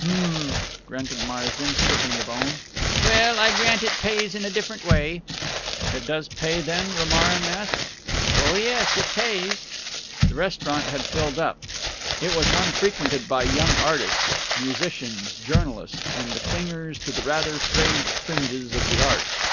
"Hm!" grunted Marsden, stripping the bone... "Well, I grant it pays in a different way." "It does pay, then?" Romarin asked. "Oh yes, it pays." The restaurant had filled up. It was one frequented by young artists, musicians, journalists and the clingers to the rather frayed fringes of the Arts.